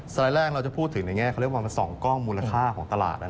ไลด์แรกเราจะพูดถึงในแง่เขาเรียกว่า๒กล้องมูลค่าของตลาด